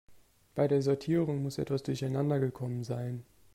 Bei der Sortierung muss etwas durcheinander gekommen sein.